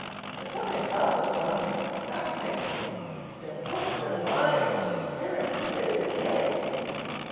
There's something about those Brontes that fascinates me. Their books, their lives, their spirit. Where did they get it?